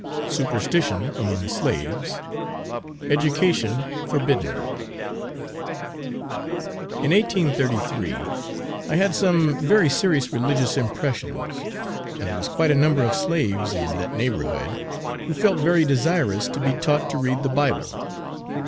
Superstition among slaves. Education forbidden_. In 1833, I had some very serious religious impressions, and there was quite a number of slaves in that neighborhood, who felt very desirous to be taught to read the Bible.